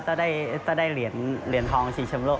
เต้าได้เหรียญทองชิงแชมป์โลก